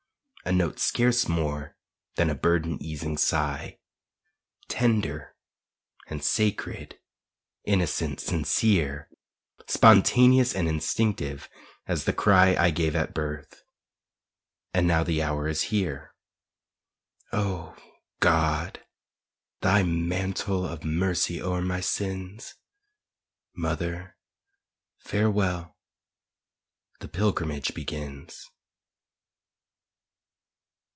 A note scarce more than a burden easing sigh, Tender and sacred, innocent, sincere Spontaneous and instinctive as the cry I gave at birth And now the hour is here O God, thy mantle of mercy o'er my sins! Mother, farewell! The pilgrimage begins.